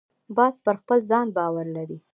باز پر خپل ځان باور لري